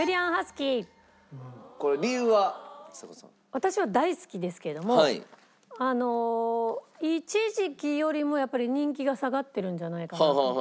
私は大好きですけども一時期よりもやっぱり人気が下がってるんじゃないかなと。